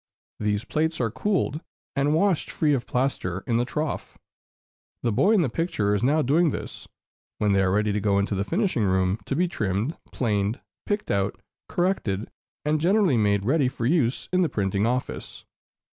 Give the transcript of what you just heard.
These plates are cooled, and washed free of plaster in the trough, the boy in the picture is now doing this, when they are ready to go into the finishing room, to be trimmed, planed, picked out, corrected, and generally made ready for use in the printing office.